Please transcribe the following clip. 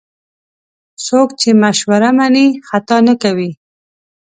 څوک چې مشوره مني، خطا نه کوي.